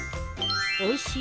おいしい